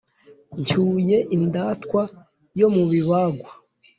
Ncyuye indatwa yo mu bibagwa,